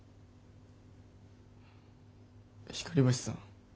光橋さん。